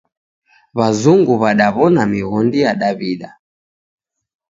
W'azungu w'adaw'ona mighondi ya Daw'ida.